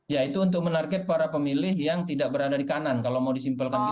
ya itu untuk menarget para pemilih yang tidak berada di kanan kalau mau disimpelkan dulu